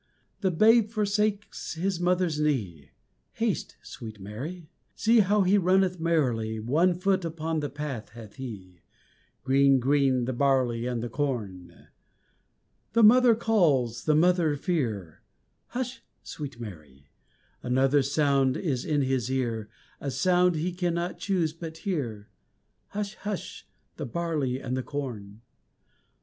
The Babe forsakes His mother's knee, Haste, sweet Mary See how He runneth merrily, One foot upon the path hath He Green, green, the barley and the corn! The mother calls with mother fear Hush, sweet Mary! Another sound is in His ear, A sound he cannot choose but hear Hush, hush, the barley and the corn!